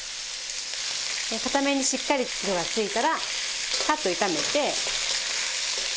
片面にしっかり色がついたらさっと炒めて。